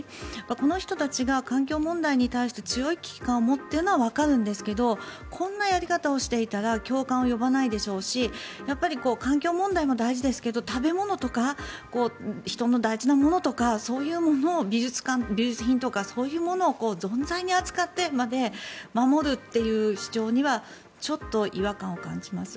この人たちが環境問題に対して強い危機感を持っているのはわかるんですけどこんなやり方をしていたら共感を呼ばないでしょうしやっぱり環境問題も大事ですけど食べ物とか人の大事なものとか美術品とかそういうものをぞんざいに扱ってまで守るという主張にはちょっと違和感を感じます。